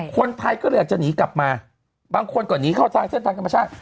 คนไทยก็เลยอยากจะหนีกลับมาบางคนก็หนีเข้าทางเส้นทางธรรมชาติ